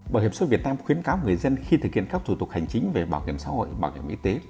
bảo hiểm xã hội việt nam khuyến cáo người dân khi thực hiện các thủ tục hành chính về bảo hiểm xã hội bảo hiểm y tế